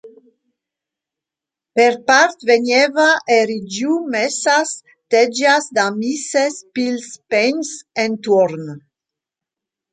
Per part vegneva erigiu mesas tegias da mises pils pégns entuorn.